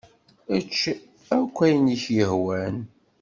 Ečč akk ayen i k-yehwan.